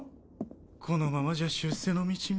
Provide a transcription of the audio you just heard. このままじゃ出世の道が。